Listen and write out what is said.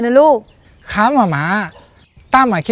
จนถึงวันนี้มาม้ามีเงิน๔ปี